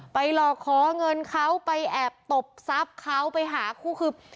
หลอกขอเงินเขาไปแอบตบทรัพย์เขาไปหาคู่คือ